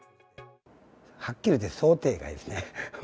はっきり言って想定外ですね。